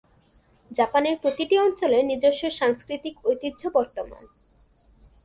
জাপানের প্রতিটি অঞ্চলের নিজস্ব সাংস্কৃতিক ঐতিহ্য বর্তমান।